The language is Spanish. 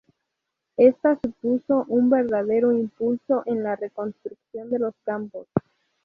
Esta supuso un verdadero impulso en la reconstrucción de los campos.